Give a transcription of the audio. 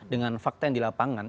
dengan fakta yang di lapangan